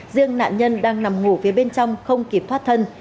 riêng nạn nhân đang nằm ngủ phía bên trong không kịp thoát thân